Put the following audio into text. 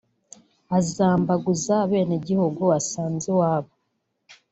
azambaguza abenegihugu basanze iwabo